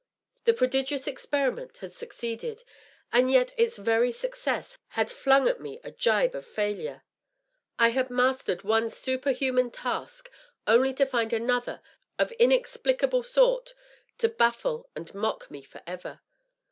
The pro digious experiment had succeeded, and yet its very success had flung at me a gibe of failure ! I had mastered one superhuman task, only to find another, of inexplicable sort, to baffle and mock me forever.